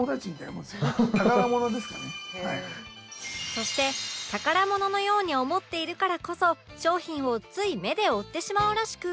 そして宝物のように思っているからこそ商品をつい目で追ってしまうらしく